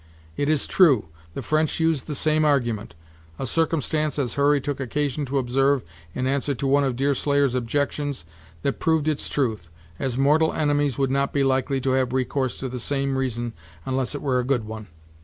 It is true, the French used the same argument, a circumstance, as Hurry took occasion to observe in answer to one of Deerslayer's objections, that proved its truth, as mortal enemies would not be likely to have recourse to the same reason unless it were a good one.